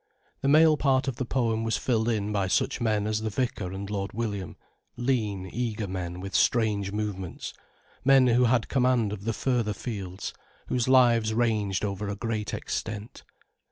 The male part of the poem was filled in by such men as the vicar and Lord William, lean, eager men with strange movements, men who had command of the further fields, whose lives ranged over a great extent.